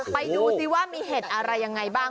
ไปดูซิว่ามีเห็ดอะไรยังไงบ้าง